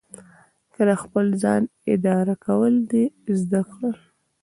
که د خپل ځان اداره کول دې زده کړل.